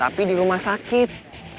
tapi di rumah sakit